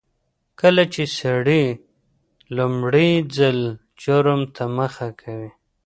کله چې سړی لومړي ځل جرم ته مخه کوي.